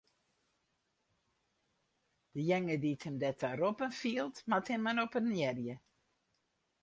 Dejinge dy't him derta roppen fielt, moat him mar oppenearje.